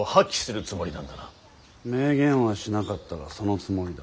明言はしなかったがそのつもりだ。